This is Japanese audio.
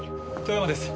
遠山です。